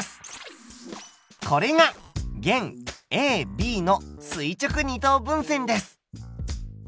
これが弦ＡＢの垂直二等分線です。